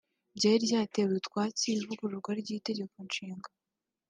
ryari ryateye utwatsi ivugururwa ry’itegeko nshinga